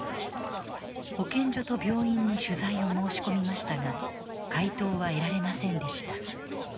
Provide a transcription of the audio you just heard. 保健所と病院に取材を申し込みましたが回答は得られませんでした。